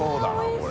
これ。